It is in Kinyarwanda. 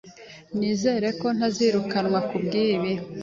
Nizere ko ntazirukanwa kubwibi.